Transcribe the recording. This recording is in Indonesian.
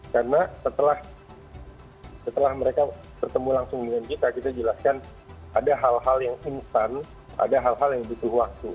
karena setelah mereka bertemu langsung dengan kita kita jelaskan ada hal hal yang singkran ada hal hal yang butuh waktu